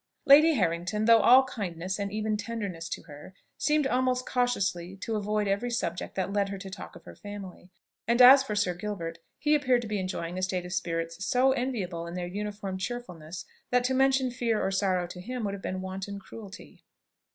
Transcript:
Lady Harrington, though all kindness and even tenderness to her, seemed almost cautiously to avoid every subject that led her to talk of her family: and as for Sir Gilbert, he appeared to be enjoying a state of spirits so enviable in their uniform cheerfulness, that to mention fear or sorrow to him would have been wanton cruelty.